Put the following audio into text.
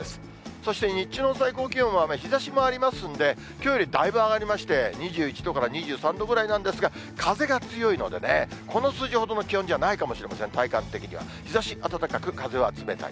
そして、日中の最高気温は、日ざしもありますので、きょうよりだいぶ上がりまして、２１度から２３度ぐらいなんですが、風が強いのでね、この数字ほどの気温じゃないかもしれません、体感的には、日ざし暖かく、風は冷たい。